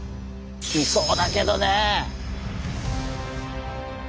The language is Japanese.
いそうだけどね。